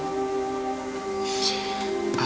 sampai jumpa lagi